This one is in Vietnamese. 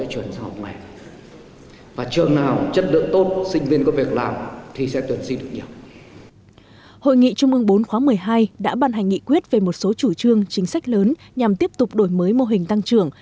hội nghị trung ương bốn khóa một mươi hai đã ban hành nghị quyết về một số chủ trương chính sách lớn nhằm tiếp tục đổi mới mô hình tăng trưởng